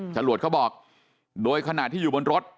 จรวดเขาบอกโดยขณะที่อยู่บนรถ